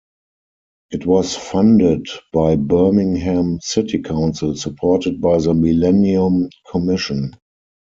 It was funded by Birmingham City Council, supported by the Millennium Commission.